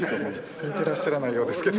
似てらっしゃらないようですけど。